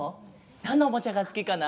なんのおもちゃがすきかな？